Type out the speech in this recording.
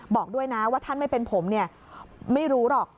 บอกด้วยนะว่าท่านไม่เป็นผมเนี่ยไม่รู้หรอก